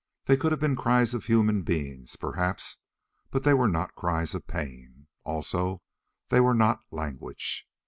They could have been cries of human beings, perhaps, but they were not cries of pain. Also they were not language.